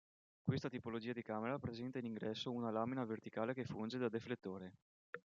Questa tipologia di camera presenta in ingresso una lamina verticale che funge da deflettore.